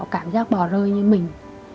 cảm giác bỏ rơi như mình